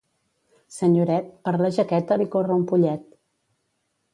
Senyoret, per la jaqueta li corre un pollet.